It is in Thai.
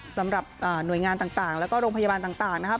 สำหรับหน่วยงานต่างแล้วก็โรงพยาบาลต่างนะครับ